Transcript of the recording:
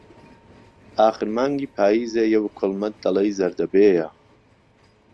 ئاخرمانگی پاییزێیه و کوڵمهت دهلێی زهردهبێيه